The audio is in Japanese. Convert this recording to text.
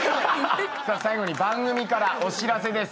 最後に番組からお知らせです。